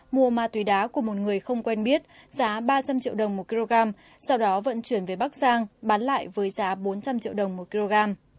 mua ma túy đá của một người không quen biết giá ba trăm linh triệu đồng một kg sau đó vận chuyển về bắc giang bán lại với giá bốn trăm linh triệu đồng một kg